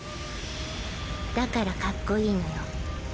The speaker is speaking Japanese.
だからかっこいいのよ。